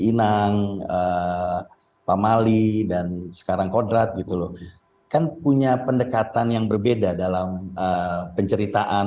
inang pamali dan sekarang kodrat gitu loh kan punya pendekatan yang berbeda dalam penceritaan